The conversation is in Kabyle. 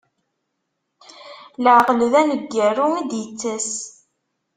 Laɛqel, d aneggaru i d-ittas.